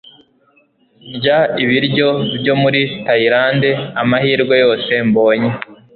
ndya ibiryo byo muri tayilande amahirwe yose mbonye